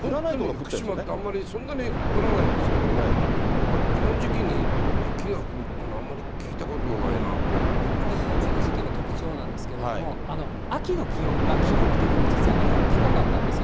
福島ってあんまり、そんなに降らないんですけど、やっぱりこの時期に雪が降るっていうのは、あんまり聞いたことがないなと思この時期の特徴なんですけれども、秋の気温が記録的に実は日本、高かったんですよ。